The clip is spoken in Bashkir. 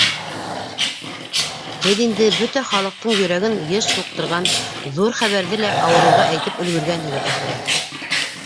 Һеҙ инде бөтә халыҡтың йөрәген йыш һуҡтырған ҙур хәбәрҙе лә ауырыуға әйтеп өлгөргәнһегеҙ, ахыры.